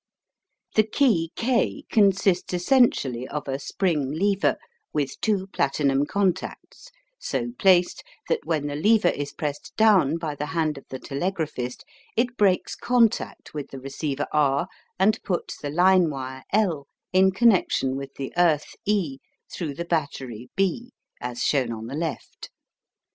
The key K consists essentially of a spring lever, with two platinum contacts, so placed that when the lever is pressed down by the hand of the telegraphist it breaks contact with the receiver R, and puts the line wire L in connection with the earth E through the battery B, as shown on the left.